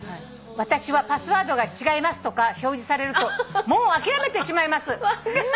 「私は『パスワードが違います』とか表示されるともう諦めてしまいます」